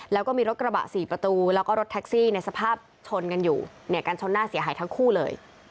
แล้วก็มีรถกระบะ๔ประตูแล้วก็รถแท็กซี่ในสภาพชนกันอยู่เนี่ยกันชนหน้าเสียหายทั้งคู่เลย